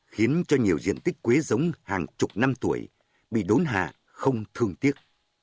khiến cho nhiều diện tích quế giống hàng chục năm tuổi bị đốn hạ không thương tiếc